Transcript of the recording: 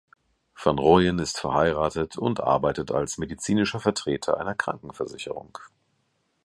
Van Rooyen ist verheiratet und arbeitet als Medizinischer Vertreter einer Krankenversicherung.